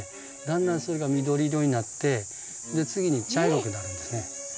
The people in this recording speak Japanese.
だんだんそれが緑色になってで次に茶色くなるんですね。